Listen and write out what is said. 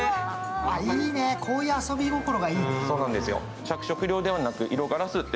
いいね、こういう遊び心がいいね。